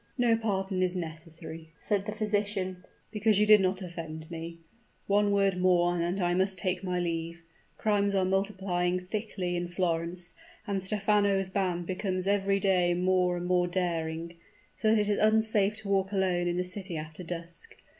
"No pardon is necessary," said the physician; "because you did not offend me. One word more and I must take my leave. Crimes are multiplying thickly in Florence, and Stephano's band becomes each day more and more daring; so that it is unsafe to walk alone in the city after dusk.